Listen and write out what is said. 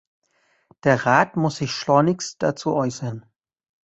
Der Rat muss sich schleunigst dazu äußern.